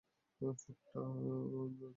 ফোটটা দে তো।